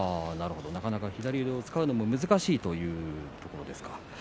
なかなか左腕を使うのも難しいということですか。